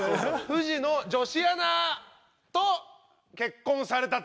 フジの女子アナと結婚されたと。